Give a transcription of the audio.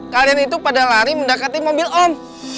kalian itu pada lari mendekati mobil om